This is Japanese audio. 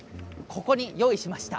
ここに用意しました。